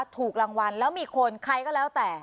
ถูกรางวัลแล้วมีคนใครก็แล้วแต่